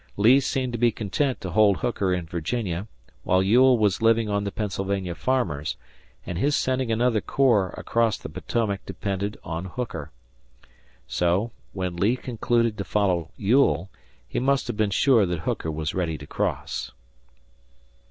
Lee seemed to be content to hold Hooker in Virginia, while Ewell was living on the Pennsylvania farmers, and his sending another corps across the Potomac depended on Hooker. So, when Lee concluded to follow Ewell, he must have been sure that Hooker was ready to cross.